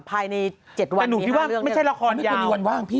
ภายใน๗วันมีห้าเรื่องแต่หนูพี่ว่าไม่ใช่ละครยาวไม่ต้องมีวันว่างพี่